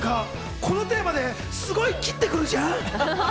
このテーマですごい切ってくるじゃん！